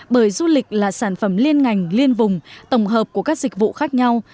bởi du lịch là sản phẩm liên ngành liên vùng tổng hợp của các dịch vụ khác nhau